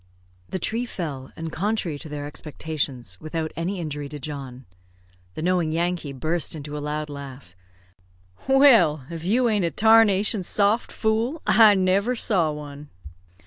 The tree fell, and, contrary to their expectations, without any injury to John. The knowing Yankee burst into a loud laugh. "Well, if you arn't a tarnation soft fool, I never saw one."